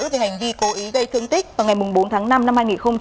về hành vi cố ý gây thương tích vào ngày bốn tháng năm năm hai nghìn một mươi chín